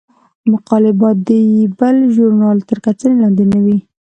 مقالې باید د بل ژورنال تر کتنې لاندې نه وي.